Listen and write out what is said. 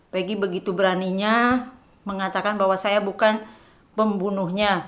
peggy begitu beraninya mengatakan bahwa saya bukan pembunuhnya